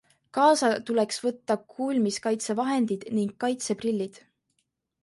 Kaasa tuleks võtta kuulmiskaitsevahendid ning kaitseprillid.